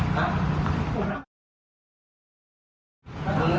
ผมนะ